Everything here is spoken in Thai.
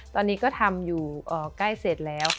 ตอนนี้ก็ทำอยู่ใกล้เสร็จแล้ว